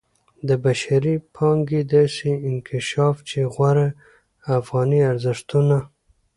د بشري پانګې داسې انکشاف چې غوره افغاني ارزښتونو